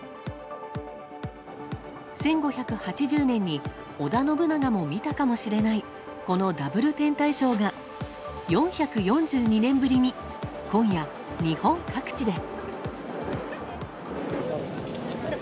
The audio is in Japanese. １５８０年に織田信長も見たかもしれないこのダブル天体ショーが４４２年ぶりに今夜、日本各地で！